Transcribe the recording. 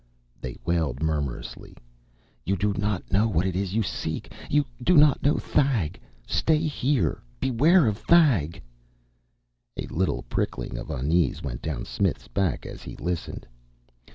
they wailed murmurously. "You do not know what it is you seek! You do not know Thag! Stay here! Beware of Thag!" A little prickling of unease went down Smith's back as he listened.